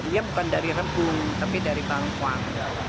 ya bukan dari rebung tapi dari bengkuang